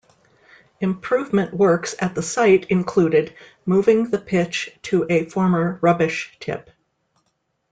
Improvement works at the site included moving the pitch to a former rubbish tip.